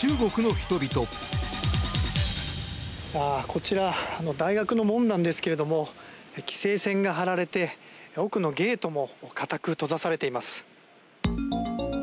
こちら大学の門なんですけれども規制線が張られて奥のゲートも固く閉ざされています。